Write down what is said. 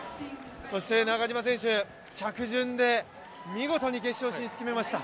そして中島選手、着順で見事に決勝進出を決めました。